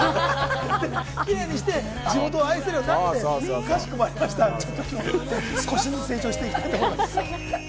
キレイにして地元を愛せるようになって分かりました、少しずつ成長していきたいと思います。